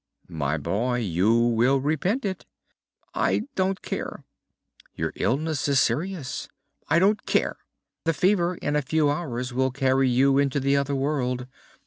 "My boy, you will repent it." "I don't care." "Your illness is serious." "I don't care." "The fever in a few hours will carry you into the other world."